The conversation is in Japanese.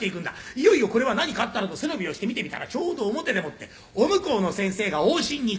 「いよいよこれは何かあったなと背伸びをして見てみたらちょうど表でもってお向こうの先生が往診に行くところ」